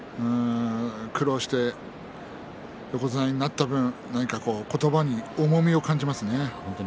苦労して横綱になった分何か言葉に重みを感じますね。